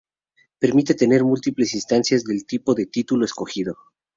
Permite tener múltiples instancias del tipo de título escogido.